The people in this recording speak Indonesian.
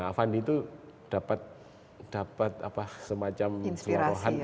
nah avandi itu dapat semacam inspirasi